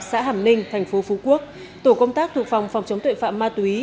xã hàm ninh thành phố phú quốc tổ công tác thuộc phòng phòng chống tội phạm ma túy